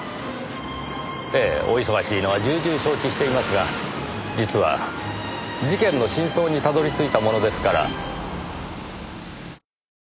ええお忙しいのは重々承知していますが実は事件の真相にたどり着いたものですから。